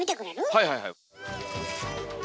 はいはいはい。